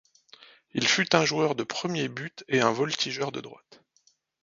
Il fut un joueur de premier but et un voltigeur de droite.